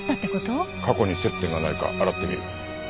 過去に接点がないか洗ってみる。